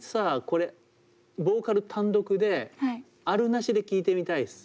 これボーカル単独であるなしで聴いてみたいです。